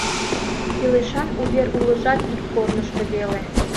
Кӱлешан увер улыжат ик корнышто веле.